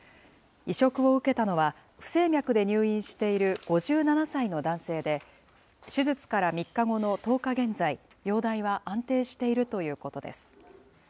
移植を受けたのは、不整脈で入院している５７歳の男性で、手術から３日後の１０日現在、容体は安定しているということです。